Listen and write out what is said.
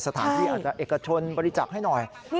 สถานที่อาจจะเอกชนบริจักษ์ให้หน่อย